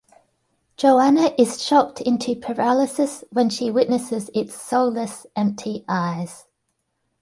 Joanna is shocked into paralysis when she witnesses its soulless, empty eyes.